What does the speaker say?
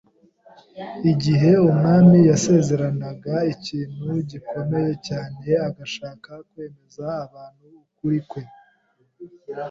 igihe umwami yasezeranaga ikintu gikomeye cyane agashaka kwemeza abantu ukuri kwe,